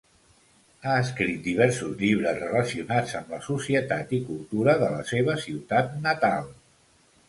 Ha escrit diversos llibres relacionats amb la societat i cultura de la seva ciutat natal.